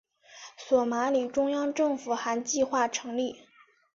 索马里中央政府还计划成立。